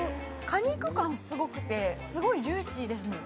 果肉感すごくて、すごくジューシーですね。